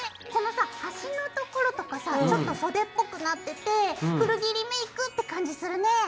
このさ端のところとかさちょっと袖っぽくなってて古着リメイクって感じするね。